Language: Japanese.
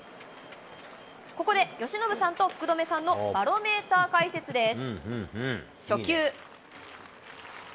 ここで由伸さんと福留さんのバロメーター解説です。